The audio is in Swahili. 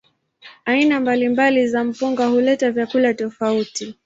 Aina mbalimbali za mpunga huleta vyakula tofauti.